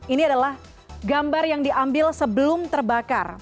ini adalah gambar yang diambil sebelum terbakar